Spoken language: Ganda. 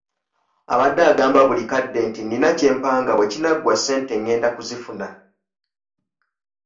Abadde agamba buli kadde nti nnina kye mpanga bwe kinaggwa ssente ngenda kuzifuna.